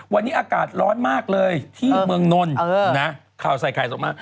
วันนี้อากาศร้อนมากเลยที่เมืองนนท์นะข่าวใส่ไข่ส่งมา